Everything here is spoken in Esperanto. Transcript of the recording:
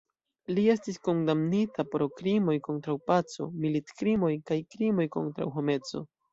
Li estis kondamnita pro krimoj kontraŭ paco, militkrimoj kaj krimoj kontraŭ homeco.